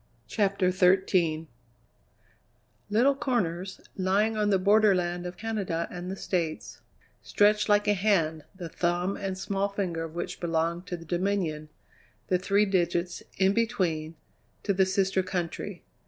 CHAPTER XIII Little corners, lying on the borderland of Canada and the States, stretched like a hand, the thumb and small finger of which belonged to the Dominion, the three digits, in between, to the sister country.